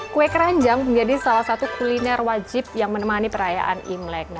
kue keranjang menjadi salah satu kuliner wajib yang menemani perayaan imlek